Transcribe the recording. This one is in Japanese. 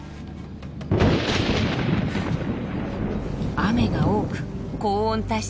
雨が多く高温多湿な雨季。